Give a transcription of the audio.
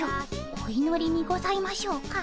お祈りにございましょうか？